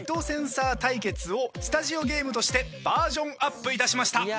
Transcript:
センサー対決をスタジオゲームとしてバージョンアップいたしました。